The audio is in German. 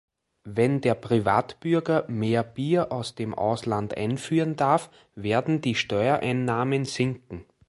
Wenn der Privatbürger mehr Bier aus dem Ausland einführen darf, werden die Steuereinnahmen sinken.